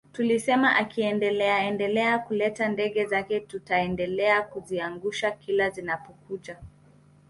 Tulisema akiendeleaendelea kuleta ndege zake tutaendelea kuziangusha kila zinapokuja